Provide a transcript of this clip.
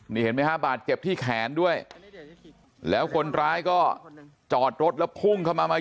นี่เห็นไหมฮะบาดเจ็บที่แขนด้วยแล้วคนร้ายก็จอดรถแล้วพุ่งเข้ามามา